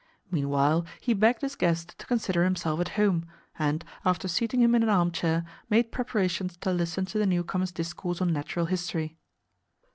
Meanwhile he begged his guest to consider himself at home, and, after seating him in an armchair, made preparations to listen to the newcomer's discourse on natural history.